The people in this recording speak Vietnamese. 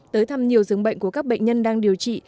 tới thăm nhiều giường bệnh của các bệnh nhân đang điều trị